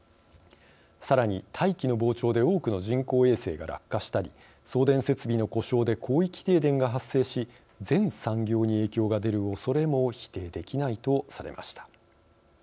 さらに大気の膨張で多くの人工衛星が落下したり送電設備の故障で広域停電が発生し全産業に影響が出るおそれも否定できないとされました。